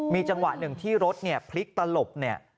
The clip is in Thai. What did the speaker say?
มีจังหวะหนึ่งที่รถเนี่ยพลิกตลบเนี่ย